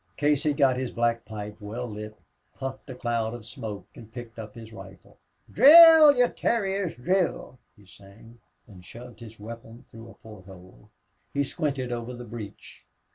Casey got his black pipe well lit, puffed a cloud of smoke, and picked up his rifle. "Drill, ye terriers, drill!" he sang, and shoved his weapon through a port hole. He squinted, over the breech.